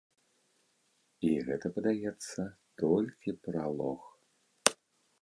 І гэта, падаецца, толькі пралог.